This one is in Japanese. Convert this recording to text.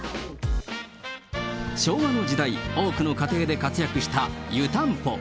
昭和の時代、多くの家庭で活躍した湯たんぽ。